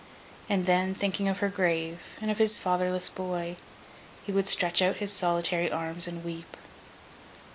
And then, thinking of her grave, and of his fatherless boy, he would stretch out his solitary arms and weep.